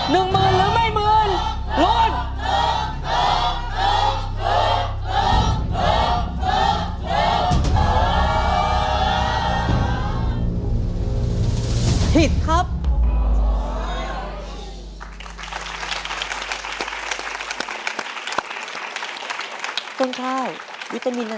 ตัวเลือกที่